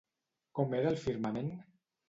Com era el firmament?